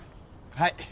はい。